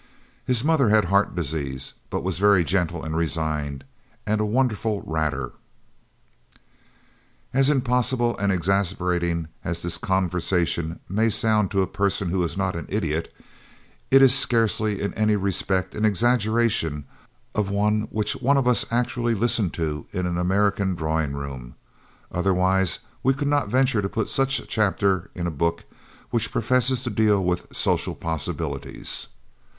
His mother had heart disease but was very gentle and resigned, and a wonderful ratter." As impossible and exasperating as this conversation may sound to a person who is not an idiot, it is scarcely in any respect an exaggeration of one which one of us actually listened to in an American drawing room otherwise we could not venture to put such a chapter into a book which, professes to deal with social possibilities.